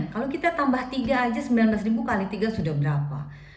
kalau kita tambah tiga aja sembilan belas ribu kali tiga sudah berapa